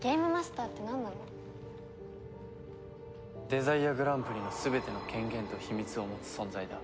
デザイアグランプリの全ての権限と秘密を持つ存在だ。